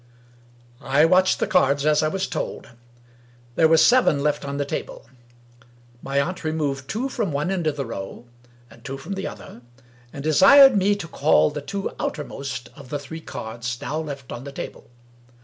I watched the cards as I was told. There were seven left on the table. My aunt removed two from one end of the row and two from the other, and desired me to call the two outermost of the three cards now left on the table.